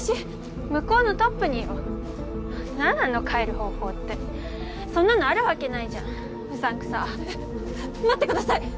向こうのトップによ何なの帰る方法ってそんなのあるわけないじゃんうさんくさ待ってください